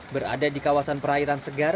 berada di kawasan yang dikawal dengan panas matahari